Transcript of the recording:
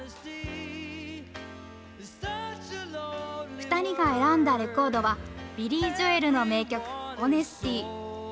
２人が選んだレコードは、ビリー・ジョエルの名曲、オネスティ。